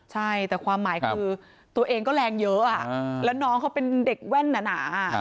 ใช่แต่ความหมายคือตัวเองก็แรงเยอะแล้วน้องเขาเป็นเด็กแว่นหนา